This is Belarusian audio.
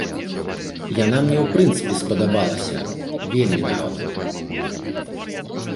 Яна мне ў прынцыпе спадабалася, вельмі нават.